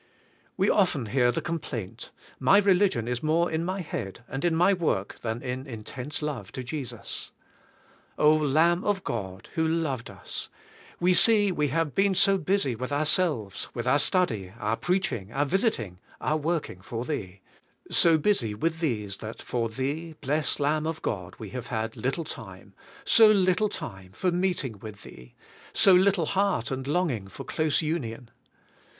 We often hear the complaint. My religion is more in my head, and in my work, than in intense love to Jesus. O, Lamb of God, who loved us I we see we have been so busy with ourselves, with our study, our preaching, our visiting, our working for Thee — so busy with these that for Thee, blessed Lamb of God, we have had little time, so little time 84 THK SPIRITUAL LIFK. for meeting with Thee; so little heart and long ing for close union!